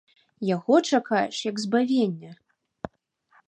Яго чакаеш як збавення.